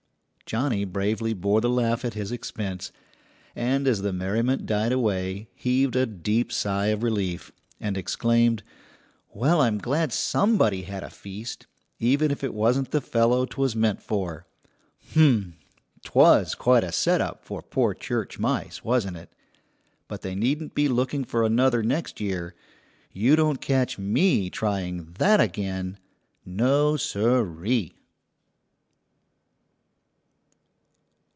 Johnny bravely bore the laugh at his expense, and as the merriment died away heaved a deep sigh of relief, and exclaimed, "Well, I'm glad somebody had a feast, even if it wasn't the fellow 'twas meant for! Humph, 'twas quite a setup for poor church mice, wasn't it? But they needn't be looking for another next year. You don't catch me trying that again no sir ee!"